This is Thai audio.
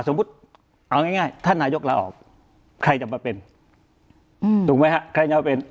สมมุติเอาง่ายถ้านายยกลาออกใครจะมาเป็น